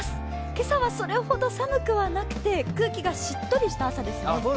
今朝はそれほど寒くはなくて空気がしっとりした朝ですね。